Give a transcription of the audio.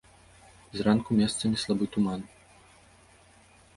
Зранку месцамі слабы туман.